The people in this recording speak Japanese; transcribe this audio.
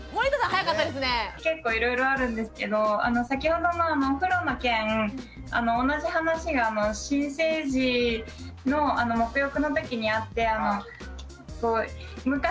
結構いろいろあるんですけど先ほどのお風呂の件同じ話が新生児のもく浴のときにあって。